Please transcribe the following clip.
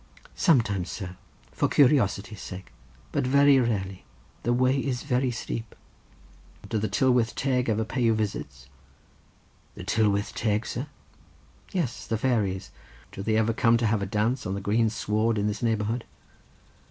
"Sometimes, sir, for curiosity's sake; but very rarely—the way is very steep." "Do the Tylwyth Teg ever pay you visits?" "The Tylwyth Teg, sir?" "Yes; the fairies. Do they never come to have a dance on the green sward in this neighbourhood?"